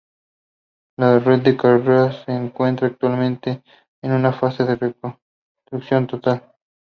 La red de carreteras se encuentra actualmente en una fase de reconstrucción total.